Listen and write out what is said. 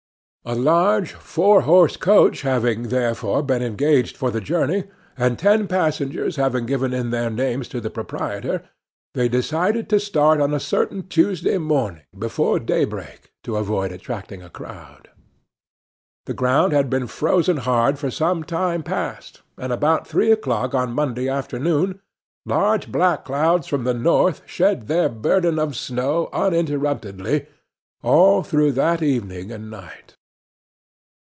A large four horse coach having, therefore, been engaged for the journey, and ten passengers having given in their names to the proprietor, they decided to start on a certain Tuesday morning before daybreak, to avoid attracting a crowd. The ground had been frozen hard for some time past, and about three o'clock on Monday afternoon large black clouds from the north shed their burden of snow uninterruptedly all through that evening and night.